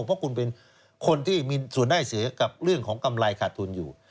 เพราะคุณเป็นคนที่มีส่วนได้เสียกับเรื่องของกำไรขาดทุนอยู่